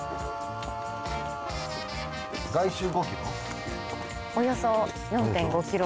外周５キロ？